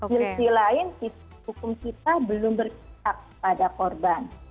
sisi lain hukum kita belum berpikir pada korban